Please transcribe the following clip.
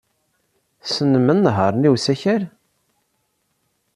Tessnem anehhaṛ-nni n usakal?